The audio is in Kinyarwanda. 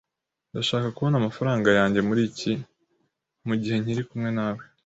Ndashaka kubona amafaranga yanjye mugihe nkiri kumwe nawe.